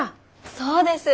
そうです！